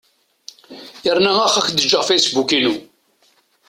Yerna ax ad ak-d-ǧǧeɣ fasebbuk-inu.